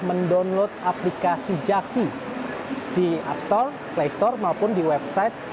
mendownload aplikasi jaki di app store play store maupun di website